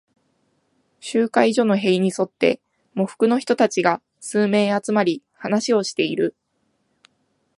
集会所の塀に沿って、喪服の人たちが数名集まり、話をしている。